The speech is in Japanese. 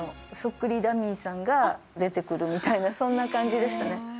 そっくりダミーさんが出てくるみたいなそんな感じでしたね